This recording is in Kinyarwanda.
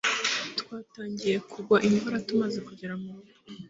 Twatangiye kugwa imvura tumaze kugera murugo